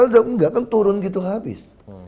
kalau enggak kan turun gitu habis